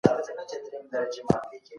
آيا نوی نسل په پوره سنجيدګۍ سره مطالعه کوي؟